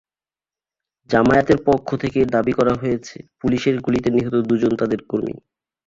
জামায়াতের পক্ষ থেকে দাবি করা হয়েছে, পুলিশের গুলিতে নিহত দুজন তাদের কর্মী।